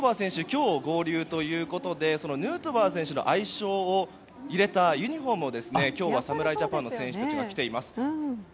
今日、合流ということでヌートバー選手の愛称を入れたユニホームを今日は侍ジャパンの選手たちが着ています。